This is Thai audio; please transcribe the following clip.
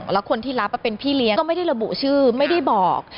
แล้วคนที่รับเป็นพี่เลี้ยงก็ไม่ได้ระบุชื่อไม่ได้บอก